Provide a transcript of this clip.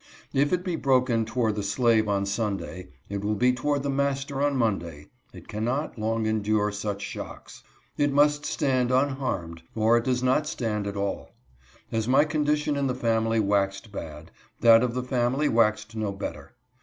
If it be broken toward the slave on Sunday, it will be toward the master on Monday. It cannot long endure HIS PLAYMATES. 101 such shocks. It must stand unharmed, or it does not stand at all. As my condition in the family waxed bad, that of the family waxed no better.